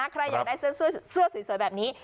ใครอยากได้เสื้อสวยแบบนี้